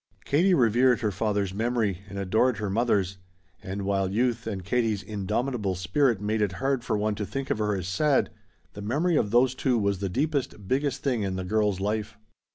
Katie revered her father's memory and adored her mother's, and while youth and Katie's indomitable spirit made it hard for one to think of her as sad, the memory of those two was the deepest, biggest thing in the girl's life.